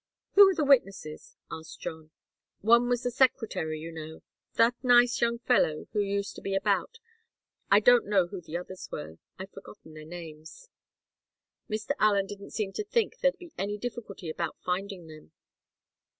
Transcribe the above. "Who are the witnesses?" asked John. "One was the secretary you know? That nice young fellow who used to be about. I don't know who the others were I've forgotten their names. Mr. Allen didn't seem to think there'd be any difficulty about finding them.